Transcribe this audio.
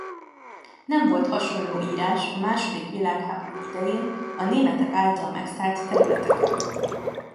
Nem volt hasonló írás a második világháború idején a németek által megszállt területeken.